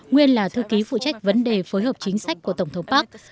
nguyên là thư ký phụ trách vấn đề phối hợp chính sách của tổng thống park